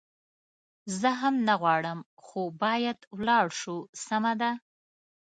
زه هم نه غواړم، خو باید ولاړ شو، سمه ده.